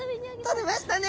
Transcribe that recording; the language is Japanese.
とれましたね。